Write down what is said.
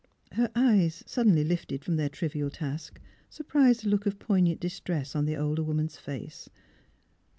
..." Her eyes, suddenly lifted from their trivial task, surprised a look of poignant distress on the older woman's face.